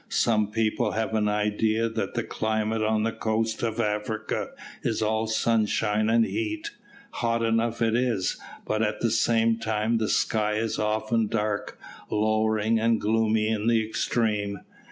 Some people have an idea that the climate on the coast of Africa is all sunshine and heat. Hot enough it is, but at the same time the sky is often dark, lowering and gloomy in the extreme.